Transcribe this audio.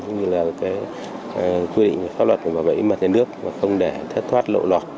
cũng như là quy định pháp luật của bảo vệ y mật thế nước và không để thất thoát lộ lọt